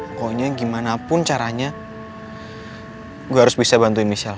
pokoknya gimana pun caranya gue harus bisa bantuin michelle